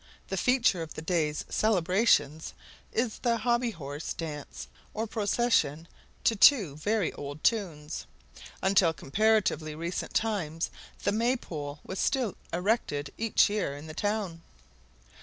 The feature of the day's celebrations is the Hobby Horse Dance, or procession, to two very old tunes. Until comparatively recent times the Maypole was still erected each year in the town.